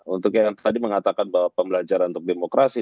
untuk yang tadi mengatakan bahwa pembelajaran untuk demokrasi